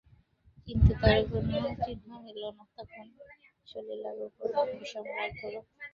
কিন্তু তার কোনো চিহ্ন মিলল না, তখন সলিলার উপরে বিষম রাগ হল।